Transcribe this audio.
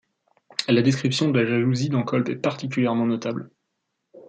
La description de la jalousie d'Encolpe est particulièrement notable.